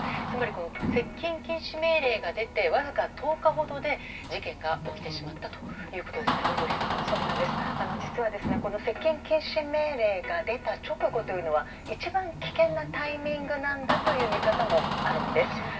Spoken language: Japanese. つまり接近禁止命令が出てわずか１０日ほどで事件が起きてしまった実は、接近禁止命令が出た直後というのは一番危険なタイミングなんだという見方もあるんです。